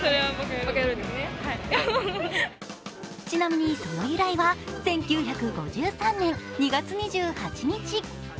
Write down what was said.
ちなみに、その由来は１９５３年２月２８日。